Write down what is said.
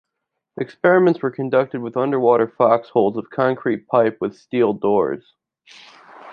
Experiments were conducted with underwater foxholes of concrete pipe with steel doors.